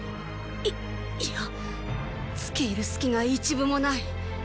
いいやつけ入る隙が一分もない。